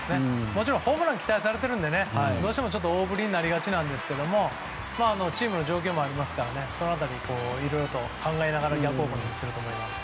もちろんホームランが期待されているので、どうしても大振りになりがちですがチームの状況もありますからいろいろと考えながら逆方向に打ってると思います。